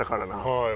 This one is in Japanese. はい。